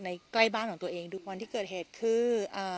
ใกล้บ้านของตัวเองทุกวันที่เกิดเหตุคืออ่า